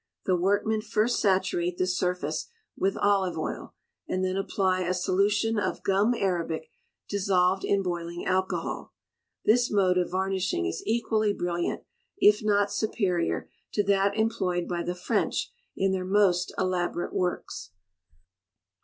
The workmen first saturate the surface with olive oil, and then apply a solution of gum arabic dissolved in boiling alcohol. This mode of varnishing is equally brilliant, if not superior, to that employed by the French in their most elaborate works.